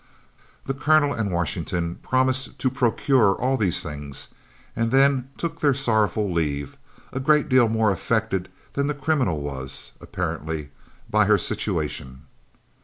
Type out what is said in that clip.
The Colonel and Washington promised to procure all these things, and then took their sorrowful leave, a great deal more affected than the criminal was, apparently, by her situation.